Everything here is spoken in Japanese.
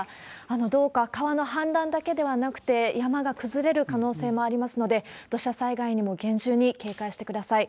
どうか、川の氾濫だけではなくて、山が崩れる可能性もありますので、土砂災害にも厳重に警戒してください。